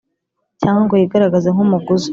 Cyangwa ngo yigaragaze nk’ umuguza